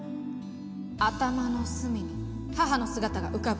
頭の隅に母の姿が浮かぶ。